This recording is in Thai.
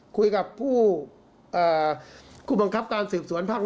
คุยกับผู้บังคับการสืบสวนภาค๑